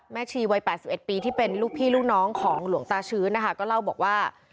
ชีวัย๘๑ปีที่เป็นลูกพี่ลูกน้องของหลวงตาชื้นนะคะก็เล่าบอกว่า